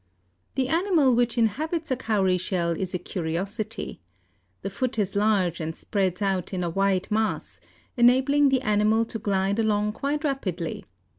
The animal which inhabits a Cowry shell is a curiosity. The foot is large and spreads out in a wide mass, enabling the animal to glide along quite rapidly.